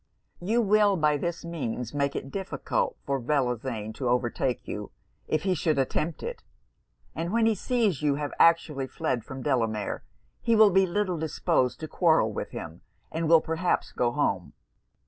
'You will by this means make it difficult for Bellozane to overtake you, if he should attempt it; and when he sees you have actually fled from Delamere, he will be little disposed to quarrel with him, and will perhaps go home.